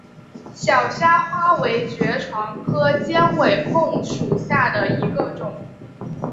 小虾花为爵床科尖尾凤属下的一个种。